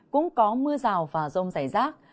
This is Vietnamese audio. cũng có mưa rào và rông giải rác